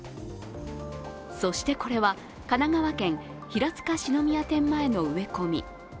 そして、これは神奈川県平塚四之宮店前の植え込み。